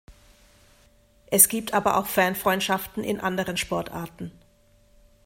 Es gibt aber auch Fanfreundschaften in anderen Sportarten.